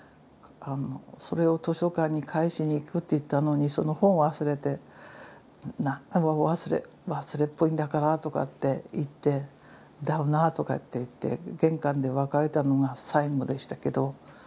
それを図書館に返しに行くって言ったのにその本を忘れて何だもう忘れっぽいんだからとかって言ってだよなとか言って玄関で別れたのが最後でしたけど